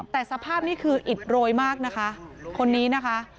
แต่สภาพนี้คืออิดโรยมากนะคะคนนี้นะคะ